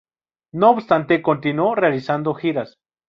No obstante continuó realizando giras.